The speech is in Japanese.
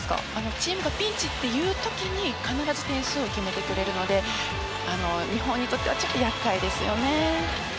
チームがピンチというときに必ず点数を決めてくれるので日本にとってはちょっと厄介ですよね。